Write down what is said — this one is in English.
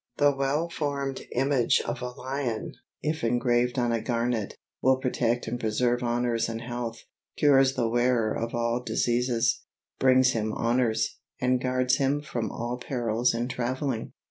The well formed image of a lion, if engraved on a garnet, will protect and preserve honors and health, cures the wearer of all diseases, brings him honors, and guards him from all perils in travelling.